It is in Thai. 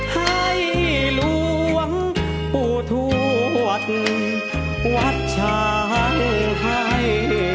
ให้หลวงกูถวดวัดช้างไทย